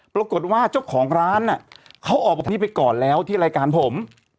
ปรากฏว่าเจ้าของร้านเขาออกแบบนี้ไปก่อนแล้วที่รายการผม